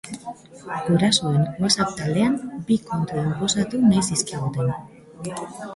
Gurasoen WhatsApp taldean bi kontu inposatu nahi zizkiguten.